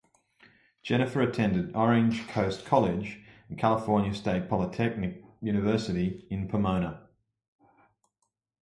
Jennifer attended Orange Coast College and California State Polytechnic University in Pomona.